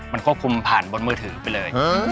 ภาษาสี่เครื่อง